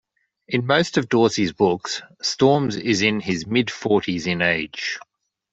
In most of Dorsey's books, Storms is in his mid-forties in age.